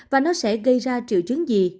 và nó sẽ gây ra những chuyện